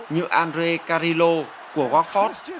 như andre carrillo của watford